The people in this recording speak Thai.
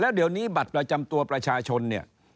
เดี๋ยวนี้บัตรประจำตัวประชาชนเนี่ย